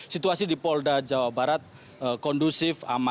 situasi di polda jawa barat kondusif aman